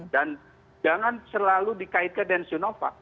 dan jangan selalu dikaitkan dengan sinova